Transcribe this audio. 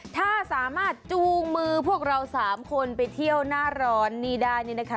ถ้าสามารถจูงมือพวกเรา๓คนไปเที่ยวหน้าร้อนนี่ได้นี่นะคะ